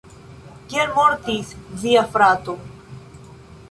Kiel mortis via frato?